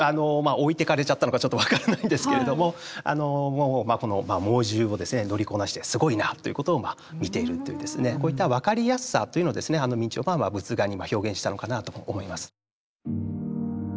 置いてかれちゃったのかちょっと分からないんですけれどもこの猛獣を乗りこなしてすごいなということを見ているというこういった分かりやすさというのを明兆は仏画に表現したのかなと思います。